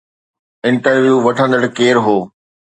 Interview وٺندڙ ڪير هو؟